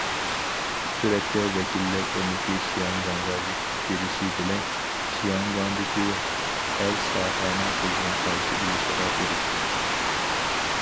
سۈرەتتە: ۋەكىللەر ئۆمىكى شياڭگاڭغا يېتىپ بېرىشى بىلەن، شياڭگاڭدىكى ھەر ساھەنىڭ قىزغىن قارشى ئېلىشىغا ئېرىشتى.